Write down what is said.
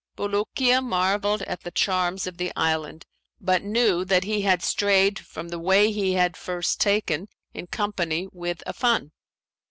Bulukiya marvelled at the charms of the island but knew that he had strayed from the way he had first taken in company with Affan.